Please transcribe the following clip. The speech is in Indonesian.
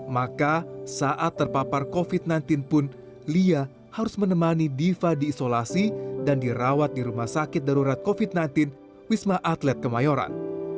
maka saat terpapar covid sembilan belas pun lia harus menemani diva di isolasi dan dirawat di rumah sakit darurat covid sembilan belas wisma atlet kemayoran